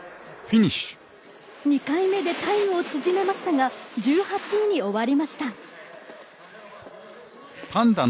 ２回目でタイムを縮めましたが１８位に終わりました。